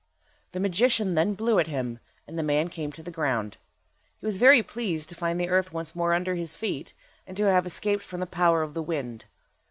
The magician then blew at him, and the man came to the ground. He was very pleased to find the earth once more under his feet, and to have escaped from the power of the wind.